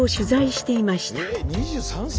え２３歳？